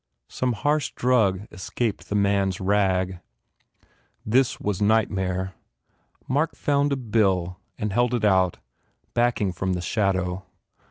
Some harsh drug escaped from the man s rags. This was nightmare. Mark found a bill and held it out, backing from the shadow.